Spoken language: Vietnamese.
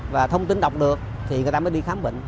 và thông tin đọc được thì người ta mới đi khám bệnh